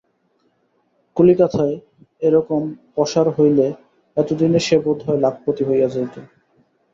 কলিকাতায় এরকম পশার হইলে এতদিনে সে বোধ হয় লাখপতি হইয়া যাইত।